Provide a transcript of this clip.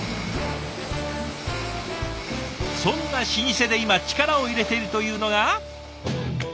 そんな老舗で今力を入れているというのが。